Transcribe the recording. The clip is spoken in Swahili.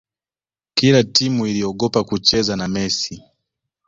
kila timu iliogopa kucheza na messi